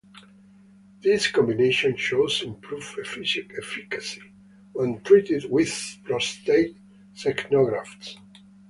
This combination shows improved efficacy when treated with prostate xenografts.